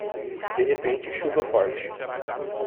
De repente chuva forte